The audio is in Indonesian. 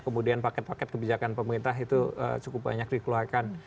kemudian paket paket kebijakan pemerintah itu cukup banyak dikeluarkan